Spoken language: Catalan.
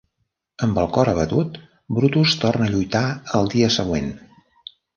Amb el cor abatut, Brutus torna a lluitar al dia següent.